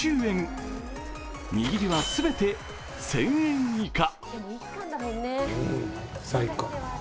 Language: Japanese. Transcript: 握りは全て１０００円以下。